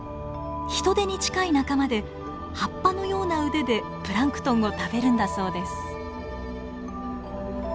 ヒトデに近い仲間で葉っぱのような腕でプランクトンを食べるんだそうです。